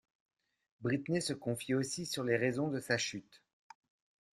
Britney se confie aussi sur les raisons de sa chute.